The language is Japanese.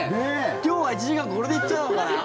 今日は１時間これで行っちゃうのかな。